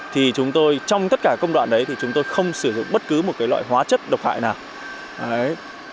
thì chúng tôi trong tất cả công đoạn đấy thì chúng tôi không sử dụng bất cứ một loại hóa chất độc hại nào